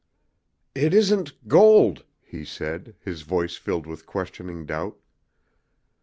"It isn't gold," he said, his voice filled with questioning doubt.